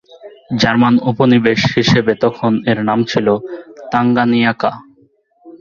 German উপনিবেশ হিসেবে তখন এর নাম ছিল তাঙ্গানিয়াকা।